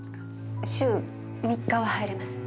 週３日は入れます